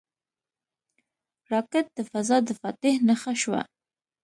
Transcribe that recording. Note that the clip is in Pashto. راکټ د فضا د فاتح نښه شوه